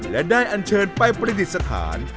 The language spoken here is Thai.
และได้อันเชิญไปประดิษฐาน